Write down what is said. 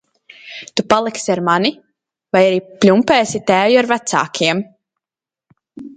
Tu paliksi ar mani vai arī pļumpēsi tēju ar vecākiem?